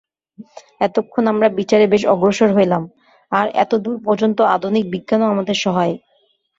এতক্ষণ আমরা বিচারে বেশ অগ্রসর হইলাম, আর এতদূর পর্যন্ত আধুনিক বিজ্ঞানও আমাদের সহায়।